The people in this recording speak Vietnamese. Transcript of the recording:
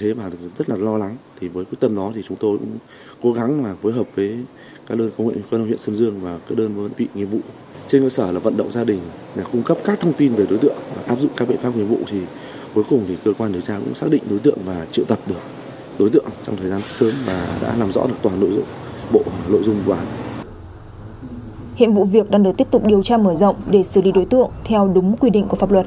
hệ vụ việc đang được tiếp tục điều tra mở rộng để xử lý đối tượng theo đúng quy định của pháp luật